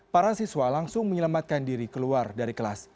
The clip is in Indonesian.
para siswa langsung menyelamatkan diri keluar dari kelas